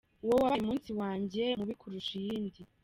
Uwo wabaye umunsi wanjye mubi kurusha iyindi.